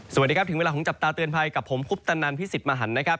สวัสดีครับถึงเวลาของจับตาเตือนภัยกับผมคุปตนันพิสิทธิ์มหันนะครับ